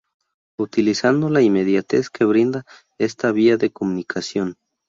Utilizando la inmediatez, que brinda esta vía de comunicación.